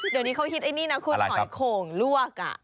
เดี๋ยวนี้เขาฮิตไอ้นี่นะคุณหอยโข่งลวก